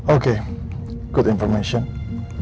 oke informasi yang bagus